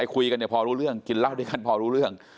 คุยกันเนี่ยพอรู้เรื่องกินเหล้าด้วยกันพอรู้เรื่อง